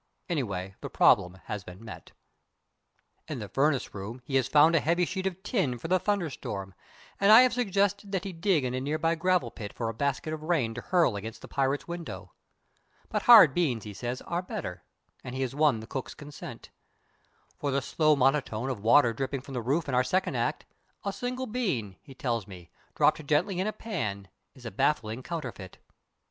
Anyway, the problem has been met. [Illustration: His smile will thaw the friendly butcher to his purpose] In the furnace room he has found a heavy sheet of tin for the thunder storm, and I have suggested that he dig in a nearby gravel pit for a basket of rain to hurl against the pirates' window. But hard beans, he says, are better, and he has won the cook's consent. For the slow monotone of water dripping from the roof in our second act, a single bean, he tells me, dropped gently in a pan is a baffling counterfeit.